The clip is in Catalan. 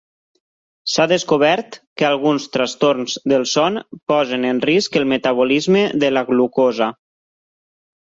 S'ha descobert que alguns trastorns del son posen en risc el metabolisme de la glucosa.